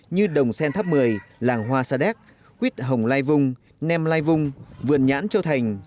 như đồng xen tháp mười làng hoa sa đéc quýt hồng lai vung nem lai vung vườn nhãn châu thành